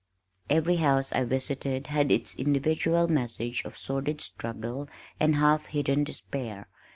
Every house I visited had its individual message of sordid struggle and half hidden despair.